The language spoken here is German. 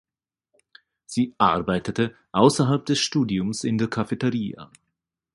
Sie arbeitete außerhalb des Studiums in der Cafeteria.